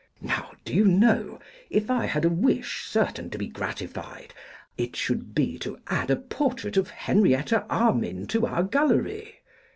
Now do you know, if I had a wish certain to be gratified, it should be to add a portrait of Henrietta Armine to our gallery?